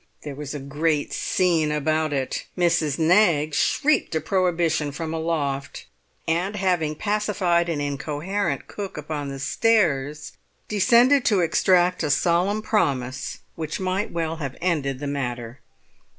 There was a great scene about it. Mrs. Knaggs shrieked a prohibition from aloft, and having pacified an incoherent cook upon the stairs, descended to extract a solemn promise which might well have ended the matter.